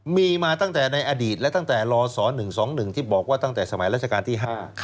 มีมาตั้งแต่ในอดีตและตั้งแต่ลศ๑๒๑ที่บอกว่าตั้งแต่สมัยราชการที่๕